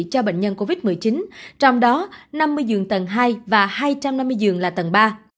cho bệnh nhân covid một mươi chín trong đó năm mươi giường tầng hai và hai trăm năm mươi giường là tầng ba